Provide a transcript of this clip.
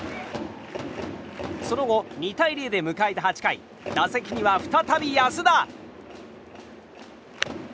その後、２対０で迎えた８回打席には再び安田。